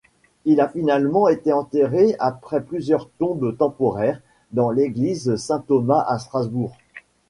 Il a finalement été enterré, après plusieurs tombes temporaire, dans l'Église Saint-Thomas à Strasbourg.